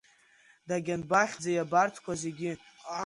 Дагьанбахьӡеи абарҭқәа зегьы?!